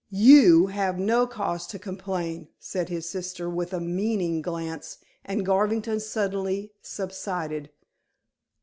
"You have no cause to complain," said his sister with a meaning glance, and Garvington suddenly subsided.